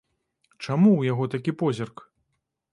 Чаму ў яго такі позірк?